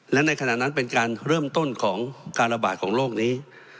และในขณะนั้นเป็นการเริ่มต้นของการระบาดของโรคนี้